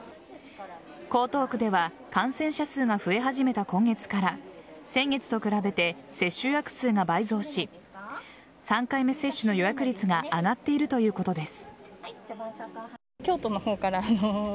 江東区では感染者数が増え始めた今月から先月と比べて接種予約数が倍増し３回目接種の予約率が上がっているということです。